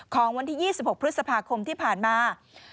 ของวันที่๒๖พฤษภาคมที่ผ่านมา